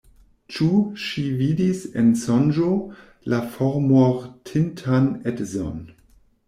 Ĉu ŝi vidis en sonĝo la formortintan edzon?